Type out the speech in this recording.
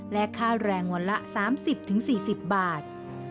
และค่าแรงวันละ๓๐๔๐บาท